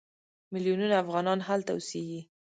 میلیونونه افغانان هلته اوسېږي.